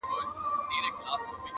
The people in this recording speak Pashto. د زامنو به مي څیري کړي نسونه -